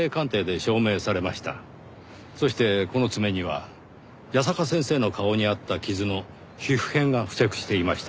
そしてこの爪には矢坂先生の顔にあった傷の皮膚片が付着していました。